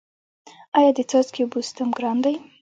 آیا د څاڅکي اوبو سیستم ګران دی؟